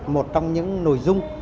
một trong những nội dung